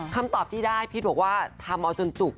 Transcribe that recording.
คำตอบที่ได้พีชบอกว่าทำเอาจนจุก